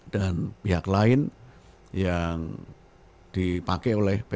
dan pihak lain yang dipake oleh ppb